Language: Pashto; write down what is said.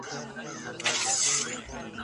دا پوهه یې راتلونکې ته چمتو کړه.